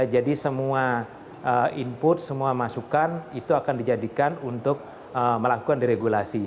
jadi semua input semua masukan itu akan dijadikan untuk melakukan diregulasi